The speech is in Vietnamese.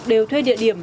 đều thuê địa điểm